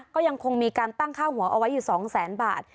ก็ยังคงมีการตั้งค่าหัวเอาไว้อยู่๒แสนบาท